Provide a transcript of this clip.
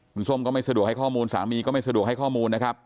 คุณส้มก็ไม่สะดวกให้ข้อมูลสามีก็ไม่สะดวกให้ข้อมูลนะครับ